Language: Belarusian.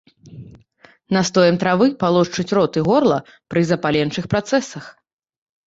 Настоем травы палошчуць рот і горла пры запаленчых працэсах.